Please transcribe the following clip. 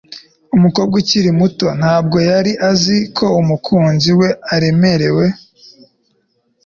Umukobwa ukiri muto ntabwo yari azi ko umukunzi we aremerewe